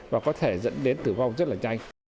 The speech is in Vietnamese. và có thể dẫn đến tử vong rất là nhanh